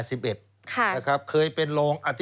สวัสดีครับคุณผู้ชมค่ะต้อนรับเข้าที่วิทยาลัยศาสตร์